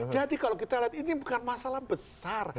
jadi kalau kita lihat ini bukan masalah besar